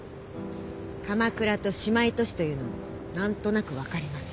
鎌倉と姉妹都市というのも何となく分かります。